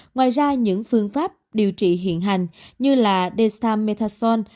ngoài ra những phương pháp điều trị hiện hành như là dexamethasone